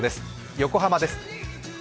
横浜です。